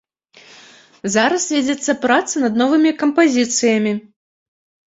Зараз вядзецца праца над новымі кампазіцыямі.